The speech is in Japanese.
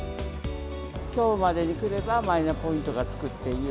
きょうまでに来れば、マイナポイントがつくっていう。